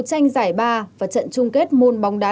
tranh giải ba và trận chung kết môn bóng đá